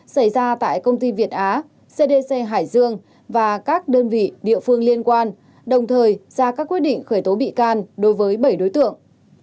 xảy ra tại công ty việt á cdc hải dương và các đơn vị địa phương liên quan đồng thời ra các quyết định khởi tố bị can đối với bảy đối tượng